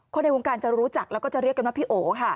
ในวงการจะรู้จักแล้วก็จะเรียกกันว่าพี่โอค่ะ